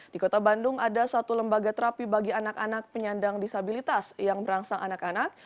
di kota bandung ada satu lembaga terapi bagi anak anak penyandang disabilitas yang merangsang anak anak